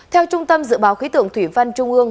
theo trung tâm dự báo khí tượng thủy văn trung ương